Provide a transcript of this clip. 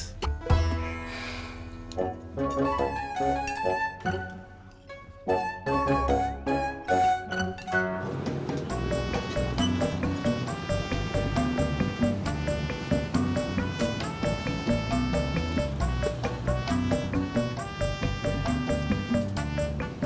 terus air siang